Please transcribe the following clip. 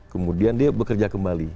kemudian dia bekerja kembali